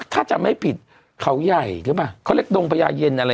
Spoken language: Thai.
ถ้าจำไม่ผิดเขาใหญ่เขาเรียกดงพญาเย็นอะไรน่ะ